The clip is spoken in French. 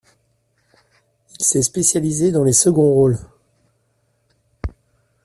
Il s'est spécialisé dans les seconds rôles.